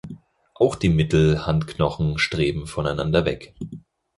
Auch die Mittelhandknochen streben voneinander weg.